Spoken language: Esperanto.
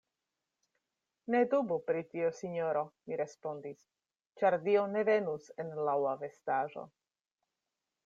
Ne dubu pri tio, sinjoro, mi respondis, Ĉar Dio ne venus en laŭa vestaĵo.